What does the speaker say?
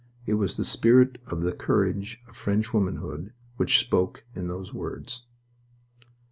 It was the spirit of the courage of French womanhood which spoke in those words.